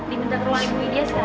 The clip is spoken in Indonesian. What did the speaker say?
di benteng ruang ibu idyas sekarang